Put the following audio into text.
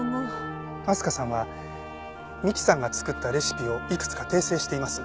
明日香さんは美希さんが作ったレシピをいくつか訂正しています。